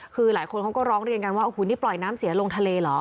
คือหลายคนเขาก็ร้องเรียนกันว่าโอ้โหนี่ปล่อยน้ำเสียลงทะเลเหรอ